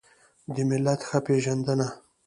د ملت ښه پېژندنه